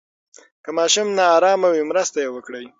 که ماشوم نا آرامه وي، مرسته یې وکړئ.